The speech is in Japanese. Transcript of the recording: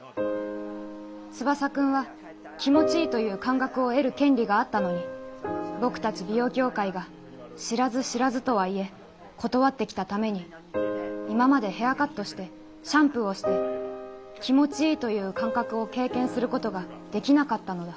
ツバサ君は『気持ちいい』と言う感覚を得る権利があったのに僕たち美容業界が知らず知らずとはいえ断ってきたために今までヘアカットしてシャンプーをして『気持ちいい』と言う感覚を経験することができなかったのだ」。